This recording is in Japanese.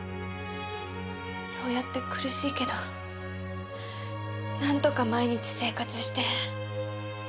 そうやって苦しいけどなんとか毎日生活して。